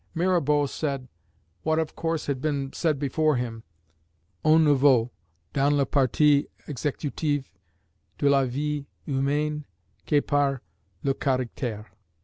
Mirabeau said, what of course had been said before him, "On ne vaut, dans la partie exécutive de la vie humaine, que par le caractère."